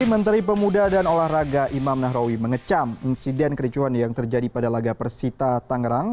menteri pemuda dan olahraga imam nahrawi mengecam insiden kericuhan yang terjadi pada laga persita tangerang